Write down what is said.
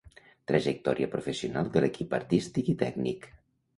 Trajectòria professional de l'equip artístic i tècnic.